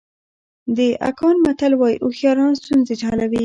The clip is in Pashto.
د اکان متل وایي هوښیاران ستونزې حلوي.